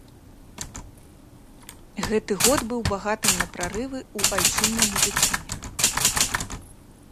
Гэты год быў багатым на прарывы ў айчыннай медыцыне.